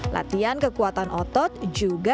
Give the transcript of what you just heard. latihan kekuatan otot juga